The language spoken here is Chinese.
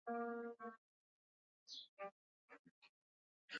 他们冲进来了